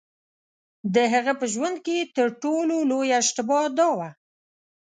د هغه په ژوند کې تر ټولو لویه اشتباه دا وه.